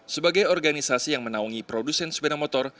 sebagai organisasi yang menaungi produsen sepeda motor